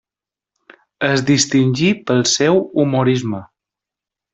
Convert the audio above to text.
Es distingí pel seu humorisme.